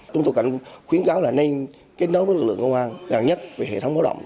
chúng tôi khuyến cáo là nên kết nối với lực lượng công an gần nhất về hệ thống báo động